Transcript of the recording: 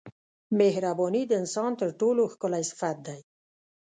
مهرباني د انسان تر ټولو ښکلی صفت دی.